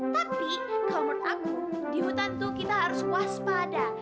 tapi kalau menurut aku di hutan itu kita harus waspada